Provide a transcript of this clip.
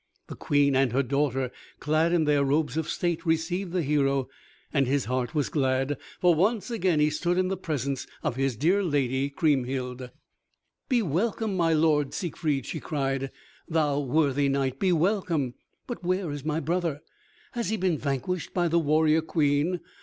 The Queen and her daughter, clad in their robes of state, received the hero, and his heart was glad, for once again he stood in the presence of his dear lady, Kriemhild. "Be welcome, my Lord Siegfried," she cried, "thou worthy knight, be welcome. But where is my brother? Has he been vanquished by the warrior queen?